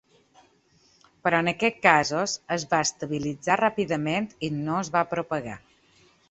Però en aquests casos es va estabilitzar ràpidament i no es va propagar.